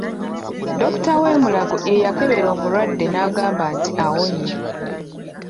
Dokita w'e Mulago ye yakebera omulwadde n'agamba nti awonye.